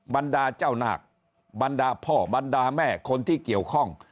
บรรดาเจ้านาคบรรดาพ่อบรรดาแม่คนที่เกี่ยวข้อง